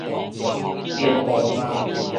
便步若